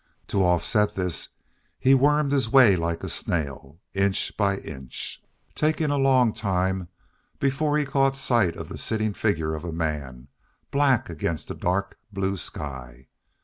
To offset this he wormed his way like a snail, inch by inch, taking a long time before he caught sight of the sitting figure of a man, black against the dark blue sky.